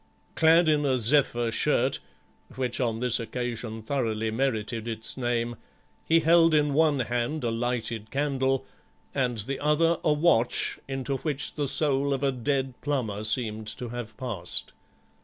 Clad in a zephyr shirt, which on this occasion thoroughly merited its name, he held in one hand a lighted candle and in the other a watch, into which the soul of a dead plumber seemed to have passed.